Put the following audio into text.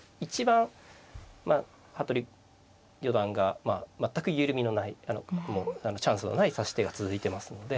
まあ服部四段が全く緩みのないもうチャンスのない指し手が続いてますので。